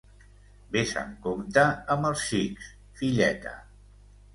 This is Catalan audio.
Vés amb compte amb els xics, filleta...